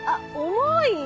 重い！